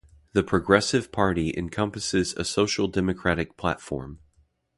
The Progressive Party encompasses a social-democratic platform.